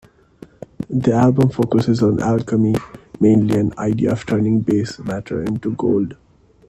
The album focuses on alchemy, mainly an idea of turning base matter into gold.